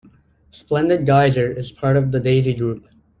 Splendid Geyser is part of the Daisy Group.